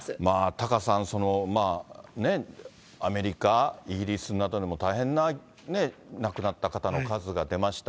タカさん、まあね、アメリカ、イギリスなどでも大変な、亡くなった方の数が出ました。